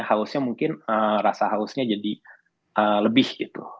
hausnya mungkin rasa hausnya jadi lebih gitu